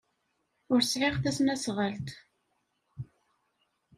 Ur sɛiɣ tasnasɣalt.